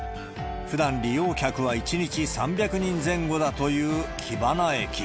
ふだん利用客は１日３００人前後だという木花駅。